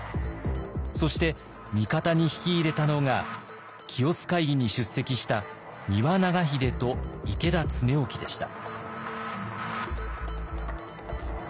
そして味方に引き入れたのが清須会議に出席した丹羽長秀と池田恒興でした。